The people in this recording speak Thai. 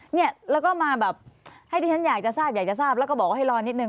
เนี่ยแล้วก็มาแบบให้ที่ฉันอยากจะทราบอยากจะทราบแล้วก็บอกว่าให้รอนิดนึ